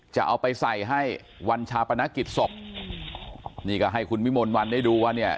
จะเอาไปใส่ให้วันชาปนกิจศพนี่ก็ให้คุณวิมลวันได้ดูว่าเนี่ย